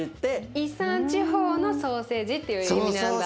「イサーン地方のソーセージ」っていう意味なんだ。